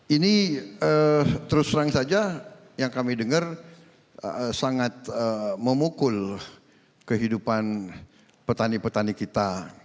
ini terus terang saja yang kami dengar sangat memukul kehidupan petani petani kita